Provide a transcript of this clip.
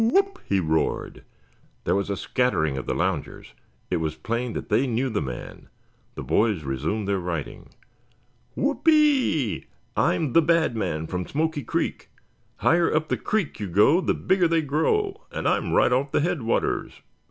"Whoop!" he roared. There was a scattering of the loungers. It was plain that they knew the man. The boys resumed their writing. "Whoopee! I'm the Bad Man from Smoky Creek! Higher up the creek you go, the bigger they grow, and I'm right off the headwaters!"